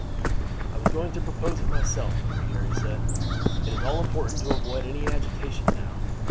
"I was going to propose it myself, Marie," Harry said. "It is all important to avoid any agitation now.